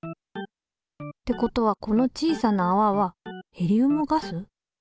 ってことはこの小さなあわはヘリウムガス？